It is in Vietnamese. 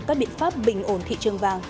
các biện pháp bình ổn thị trường vàng